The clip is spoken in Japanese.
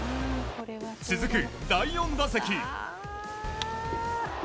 続く第４打席。